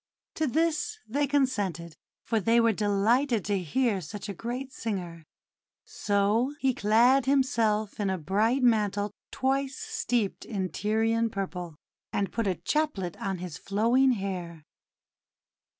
To this they consented, for they were delighted to hear such a great singer. So he clad himself in a bright mantle twice steeped in Tyrian purple, and put a chaplet on his flowing hair.